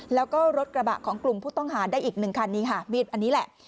แล้วก็รถกระบะของกลุ่มผู้ต้องหาได้อีกหนึ่งคันนี้ค่ะมีดอันนี้แหละ